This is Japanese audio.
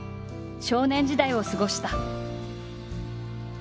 少年時代を過ごした。